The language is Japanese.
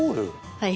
はい。